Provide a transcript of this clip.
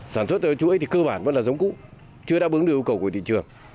sản xuất theo chuỗi thì cơ bản vẫn là giống cũ chưa đáp ứng được yêu cầu của thị trường